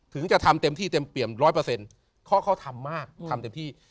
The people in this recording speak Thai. ถึงจะทำเต็มที่เต็มเปี่ยมร้อยเปอร์เซ็นต์เพราะเขาทำมากทำเต็มที่